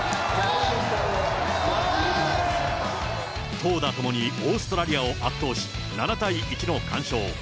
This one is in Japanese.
投打ともにオーストラリアを圧倒し、７対１の完勝。